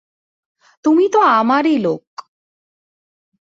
তুমি তো আমারই লোক।